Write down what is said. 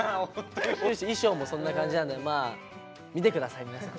衣装もそんな感じなんでまあ見てください皆さん。